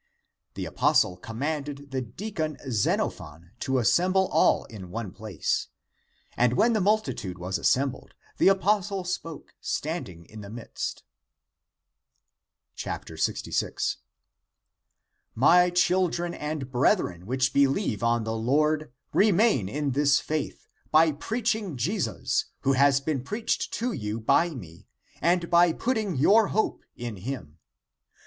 The apostle commanded the deacon Xenophon ^ to assemble all in one place. And when the multitude was assembled, the apostle spoke, standing in the midst : 66. " My children and brethren, which believe on the Lord, remain in this faith, by preaching Je sus, who has been preached to you by me, and by putting your hope in him.